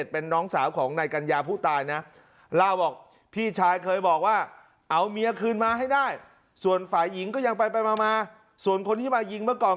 เป็นน้องสาวของนายกัญญาผู้ตายนะเล่าบอกพี่ชายเคยบอกว่าเอาเมียคืนมาให้ได้ส่วนฝ่ายหญิงก็ยังไปมาส่วนคนที่มายิงเมื่อก่อน